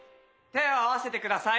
手を合わせてください。